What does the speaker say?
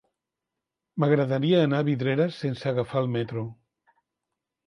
M'agradaria anar a Vidreres sense agafar el metro.